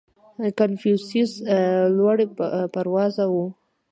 • کنفوسیوس لوړ پروازه و.